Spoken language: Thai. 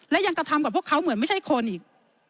และยังกระทำกับพวกเขาเหมือนไม่ใช่คนอีก